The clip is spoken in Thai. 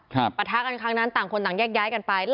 เรามาท้ากัน